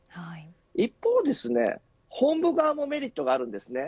一方で本部側もメリットがあります。